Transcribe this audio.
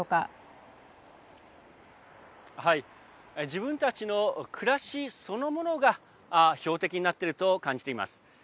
自分たちの暮らしそのものが標的になっていると感じています。